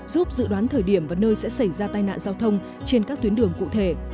giúp dự đoán thời điểm và nơi sẽ xảy ra tai nạn giao thông trên các tuyến đường cụ thể